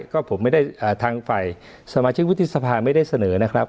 ก็ผมไม่ได้ทางฝ่ายสมาชิกวุฒิสภาไม่ได้เสนอนะครับ